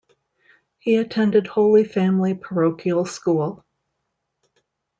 He attended Holy Family Parochial School.